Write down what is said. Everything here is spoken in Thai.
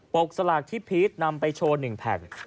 กสลากที่พีชนำไปโชว์๑แผ่น